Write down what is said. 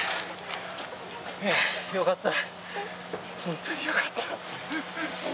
よかった、ホントによかった。